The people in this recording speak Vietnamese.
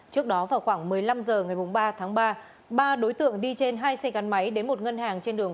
trước đó vào khoảng một mươi năm h ngày ba tháng ba ba đối tượng đi trên hai xe gắn máy đến một ngân hàng trên đường